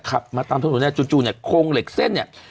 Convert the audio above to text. ขับมาตามถนนเนี่ยจู่เนี่ยโครงเหล็กเส้นเนี่ย